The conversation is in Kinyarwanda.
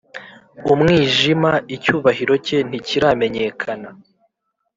umwijima, icyubahiro cye ntikiramenyekana;